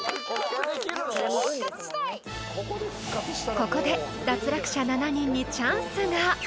［ここで脱落者７人にチャンスが］